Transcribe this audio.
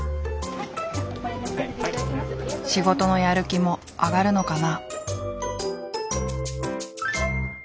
仕事のやる気も上がるのかな。